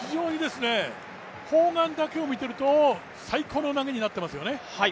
砲丸だけを見ていると最高の投げになっていますよね。